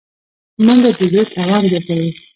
منډه د زړه توان زیاتوي